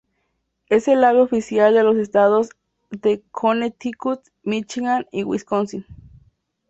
Es el ave oficial de los estados de Connecticut, Míchigan y Wisconsin.